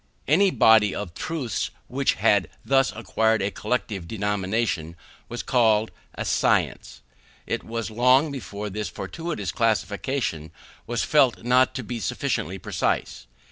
Any body of truths which had thus acquired a collective denomination, was called a science. It was long before this fortuitous classification was felt not to be sufficiently precise.